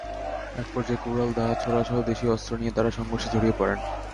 একপর্যায়ে কুড়াল, দা, ছোরাসহ দেশীয় অস্ত্র নিয়ে তাঁরা সংঘর্ষে জড়িয়ে পড়েন।